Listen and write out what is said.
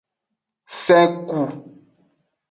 Sen ku.